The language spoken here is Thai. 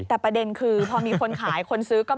แต่ประเด็นคือพอมีคนขายคนซื้อก็